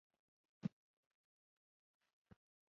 清代为康定县南境土司辖地。